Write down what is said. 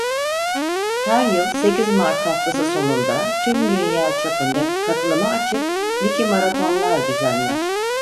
Her yıl sekiz Mart haftası sonunda tüm dünya çapında katılıma açık Vikimaratonlar düzenler.